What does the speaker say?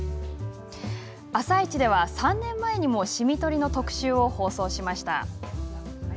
「あさイチ」では、３年前にもシミ取りの特集を放送しました。